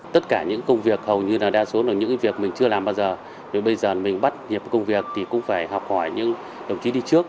tất cả những công việc hầu như là đa số là những việc mình chưa làm bao giờ bây giờ mình bắt nhịp công việc thì cũng phải học hỏi những đồng chí đi trước